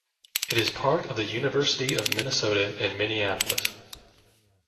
It is part of the University of Minnesota in Minneapolis.